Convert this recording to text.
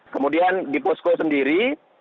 kemudian gipusko sendiri